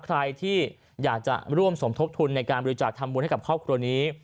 ใครที่อยากจะร่วมสมทบทุนในการบริจาคทำบุญให้กับครอบครัวนี้